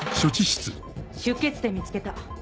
出血点見つけた。